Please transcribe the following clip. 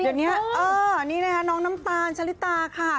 เดี๋ยวนี้น้องน้ำตาลชะลิตาค่ะ